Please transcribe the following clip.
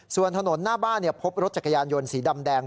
ส่วนถนนหน้าบ้านพบรถจักรยานยนต์สีดำแดง